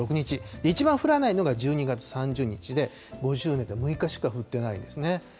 一番降らないのが１２月３０日で、５０年で６日しか降ってないんですね。